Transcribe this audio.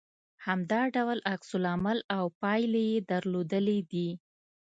همدا ډول عکس العمل او پايلې يې درلودلې دي